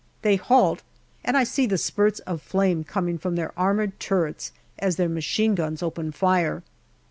They halt, and I see the spurts of flame coming from their armoured turrets as their machine guns open fire.